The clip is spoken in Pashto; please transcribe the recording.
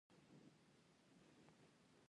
دغه کار به زموږ د ټولنې کلتوري کچه لوړه کړي.